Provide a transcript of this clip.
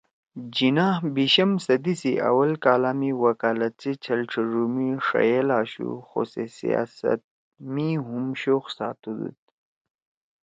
جناح بیِشم صدی سی اول کالا می وکالت سی چھل ڇھیِڙُو می ݜئیل آشُو خُو سے سیاست می ہُم شوق ساتودُود